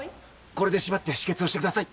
これで縛って止血をしてください。